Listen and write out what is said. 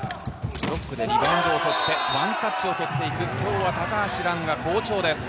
ブロックでリバウンドを取ってワンタッチを取っていく今日は高橋藍が好調です。